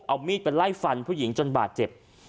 เอามีดไปไล่ฟันผู้หญิงจนบาดเจ็บ